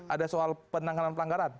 ada soal penanganan pelanggaran